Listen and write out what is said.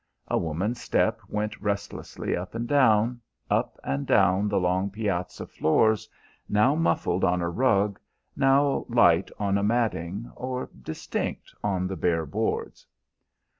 A woman's step went restlessly up and down, up and down the long piazza floors, now muffled on a rug, now light on a matting, or distinct on the bare boards.